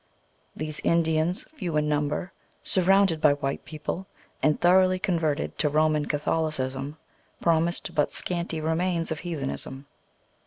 These Indians, few in number, surrounded by white people, and thoroughly converted to Roman Catholicism, promised but scanty remains of heathenism.